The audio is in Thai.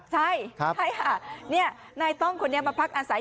ใช่ค่ะนี่นายต้องคนนี้มาพักอาศัย